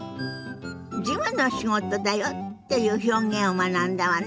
「事務の仕事だよ」っていう表現を学んだわね。